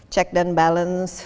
check dan balance